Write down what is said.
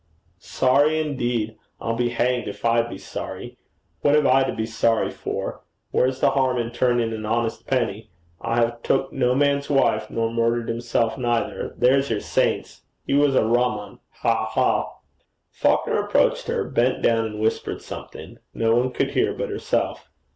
'Sorry, indeed! I'll be damned if I be sorry. What have I to be sorry for? Where's the harm in turning an honest penny? I ha' took no man's wife, nor murdered himself neither. There's yer saints! He was a rum 'un. Ha! ha!' Falconer approached her, bent down and whispered something no one could hear but herself.